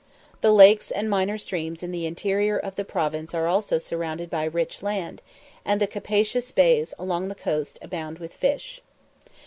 The lakes and minor streams in the interior of the province are also surrounded by rich land, and the capacious bays along the coast abound with fish.